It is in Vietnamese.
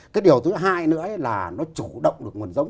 cái điều thứ hai nữa là nó chủ động được nguồn giống